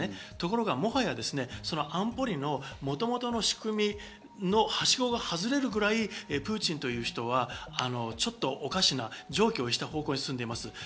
ところがもはや安保理のもともとの仕組みのはしごが外れるくらい、プーチンという人はちょっとおかしな、常軌を逸した方向に進んでいます。